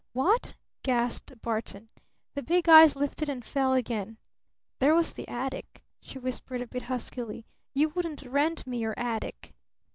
"What?" gasped Barton. The big eyes lifted and fell again. "There was the attic," she whispered a bit huskily. "You wouldn't rent me your attic!"